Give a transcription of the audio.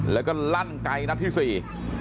แล้วก็ลั่นไกลนัดที่สี่